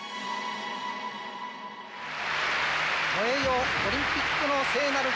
燃えよオリンピックの聖なる火。